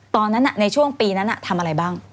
ตอนนั้นในช่วงปีนั้นทำอะไรบ้าง